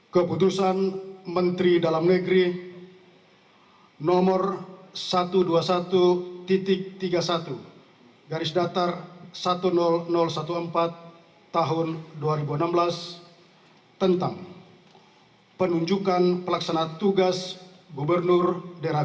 keputusan menteri dalam negeri oleh sekretaris direkturat jenderal otonomi daerah